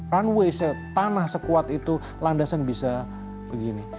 runway tanah sekuat itu landasan bisa begini